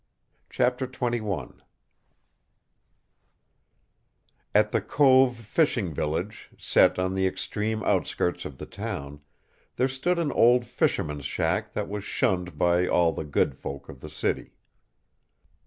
CHAPTER XXI At the cove fishing village, set on the extreme outskirts of the town, there stood an old fisherman's shack that was shunned by all the good folk of the city.